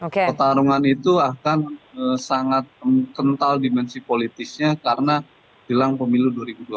pertarungan itu akan sangat kental dimensi politisnya karena jelang pemilu dua ribu dua puluh